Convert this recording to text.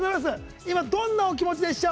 今、どんなお気持ちでしょう？